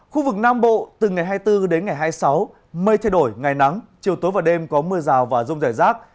khu vực nam bộ từ ngày hai mươi bốn đến ngày hai mươi sáu mây thay đổi ngày nắng chiều tối và đêm có mưa rào và rông rải rác